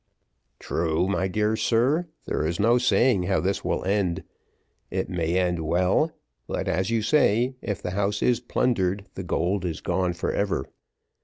"True, true, my dear sir, there is no saying how this will end: it may end well; but, as you say, if the house is plundered, the gold is gone for ever.